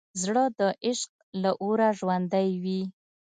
زړه د عشق له اوره ژوندی وي.